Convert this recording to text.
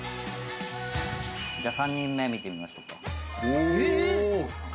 じゃあ３人目見てみましょうか。